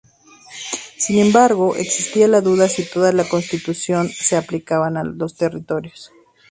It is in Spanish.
Sin embargo, existía la duda si toda la Constitución se aplicaba a los territorios.